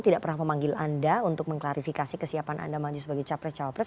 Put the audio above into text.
tidak pernah memanggil anda untuk mengklarifikasi kesiapan anda maju sebagai capres cawapres